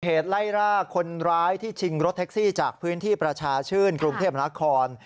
เหตุไล่ร่าคนร้ายที่ชิงรถแท็กซี่จากพื้นที่ประชาชื่นกรุงเทพนคร